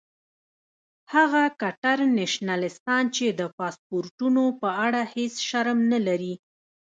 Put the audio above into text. هغه کټر نیشنلستان چې د پاسپورټونو په اړه هیڅ شرم نه لري.